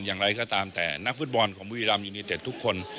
ตั้งแต่นักฟุตบอลของบุยรามยูนิเต็ดทุกคน